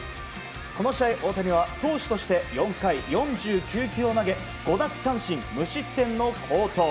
この試合、大谷は投手として４回４９球を投げ５奪三振、無失点の好投。